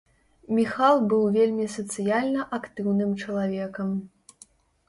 Міхал быў вельмі сацыяльна актыўным чалавекам.